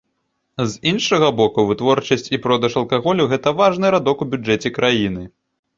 З іншага боку, вытворчасць і продаж алкаголю гэта важны радок у бюджэце краіны.